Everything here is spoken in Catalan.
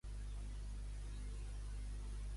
Qui és Michael Byers?